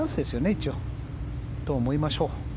一応そう思いましょう。